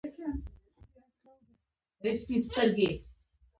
د خرڅلاو شمېره د کاروبار بریا ښيي.